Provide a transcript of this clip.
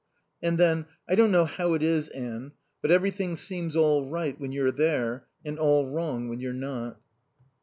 And then: "I don't know how it is, Anne. But everything seems all right when you're there, and all wrong when you're not."